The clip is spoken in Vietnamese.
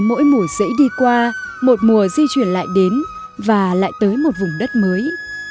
mùa di chuyển lại đến và lại tới một vùng đất mới